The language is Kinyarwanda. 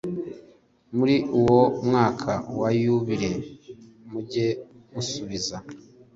muri uwo mwaka wa yubile mujye musubiza